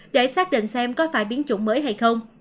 để xác định xem có phải biến chủng mới hay không